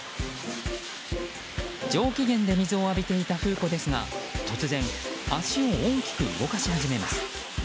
上機嫌で水を浴びていたフー子ですが突然、足を大きく動かし始めます。